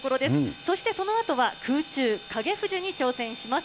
そしてそのあとは空中影富士に挑戦します。